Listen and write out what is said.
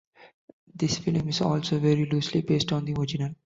This film is also very loosely based on the original.